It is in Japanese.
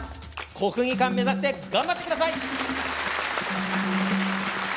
国技館目指して頑張ってください。